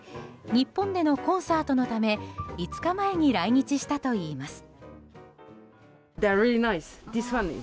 日本でのコンサートのため５日前に来日したといいます。